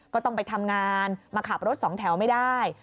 ก็ต้องไปทำงานมาขับรถสองแถวไม่ได้